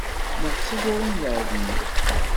Neɣ d tiẓurin n lɛedni.